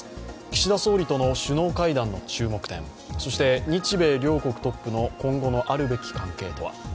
岸田総理との首脳会談の注目点、そして日米両国トップの今後のあるべき関係とは。